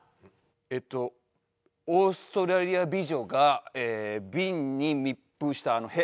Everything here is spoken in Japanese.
えっとオーストラリア美女が瓶に密封した屁。